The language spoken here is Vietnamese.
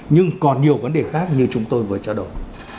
nhưng còn nhiều vấn đề khác như chúng tôi vừa trao đổi